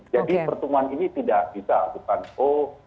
jadi pertemuan ini tidak bisa bukan oh